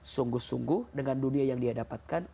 sungguh sungguh dengan dunia yang dia dapatkan